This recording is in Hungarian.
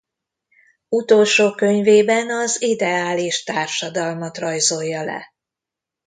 Utolsó könyvében az ideális társadalmat rajzolja le.